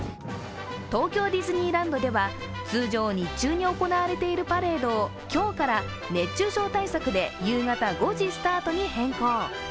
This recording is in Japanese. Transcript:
東京ディズニーランドでは通常日中に行われているパレードを今日から熱中症対策で夕方５時スタートに変更。